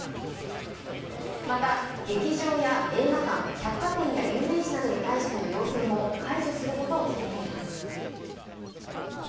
また、劇場や映画館、百貨店や遊園地などに対しての要請も解除することを決めています。